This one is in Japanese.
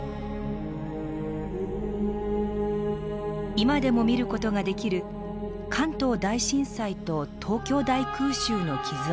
今でも見る事ができる関東大震災と東京大空襲の傷跡。